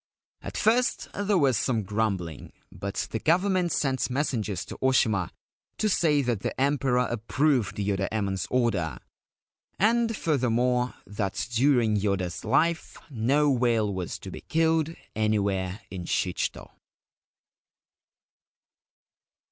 At first there was some grumbling ; but the Government sent messengers to Oshima to say that the Emperor approved Yoda Emon's order, and furthermore, that during Yoda's life no whale was to be killed anywhere in Shichito.